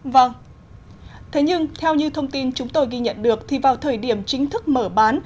vâng thế nhưng theo như thông tin chúng tôi ghi nhận được thì vào thời điểm chính thức mở bán